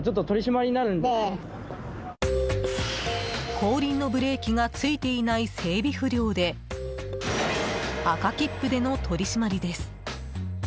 後輪のブレーキがついていない整備不良で赤切符での取り締まりです。